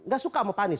gak suka sama pak anies